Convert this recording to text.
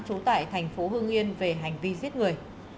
trú tại thành phố hương yên về hành vi giết người